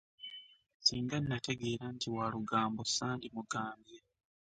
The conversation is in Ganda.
Singa nategeera nti wa lugambo sandimugambye.